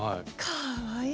かわいい。